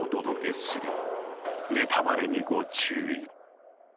ネタバレにご注意。